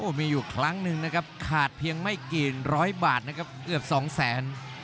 มีอยู่ครั้งหนึ่งนะครับขาดเพียงไม่กี่ร้อยบาทนะครับเกือบสองแสน